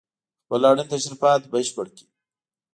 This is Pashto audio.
خپل اړين تشريفات بشپړ کړي